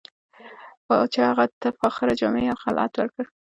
پاچا هغه ته فاخره جامې او خلعت ورکړ.